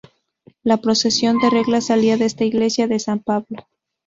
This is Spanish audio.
La procesión de regla salía de esta iglesia de San Pablo.